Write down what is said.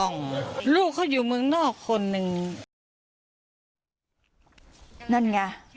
นั่นไง